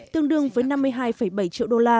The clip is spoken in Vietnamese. tương đương với năm mươi hai bảy triệu đô la